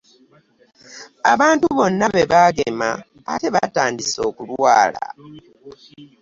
Abantu bonna be bagema ate batandise okulwala.